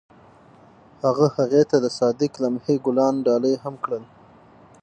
هغه هغې ته د صادق لمحه ګلان ډالۍ هم کړل.